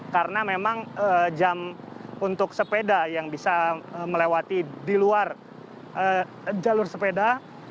karena memang jam untuk sepeda yang bisa melewati di luar jalur sepeda